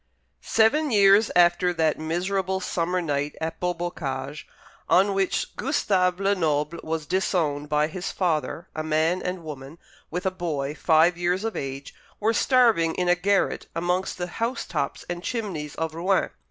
Seven years after that miserable summer night at Beaubocage on which Gustave Lenoble was disowned by his father, a man and woman, with a boy five years of age, were starving in a garret amongst the housetops and chimneys of Rouen.